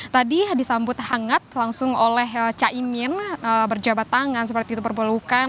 tadi disambut hangat langsung oleh caimin berjabat tangan seperti itu berpelukan